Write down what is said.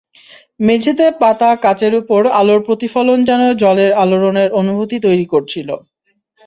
মেঝেতে পাতা কাচের ওপর আলোর প্রতিফলন যেন জলের আলোড়নের অনুভূতি তৈরি করছিল।